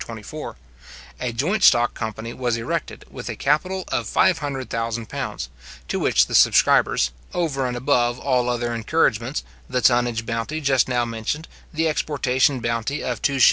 24), a joint stock company was erected, with a capital of £500,000, to which the subscribers (over and above all other encouragements, the tonnage bounty just now mentioned, the exportation bounty of 2s:8d.